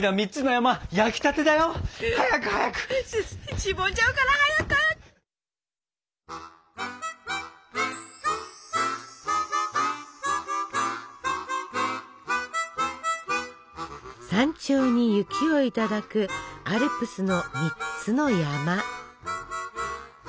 山頂に雪をいただくアルプスの３つの山。